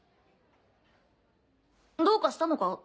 どうかしたのか？